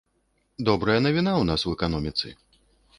Добрая навіна ў нас і ў эканоміцы.